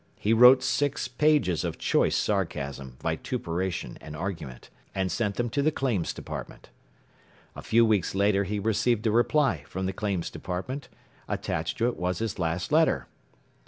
He wrote six pages of choice sarcasm, vituperation and argument, and sent them to the Claims Department. A few weeks later he received a reply from the Claims Department. Attached to it was his last letter.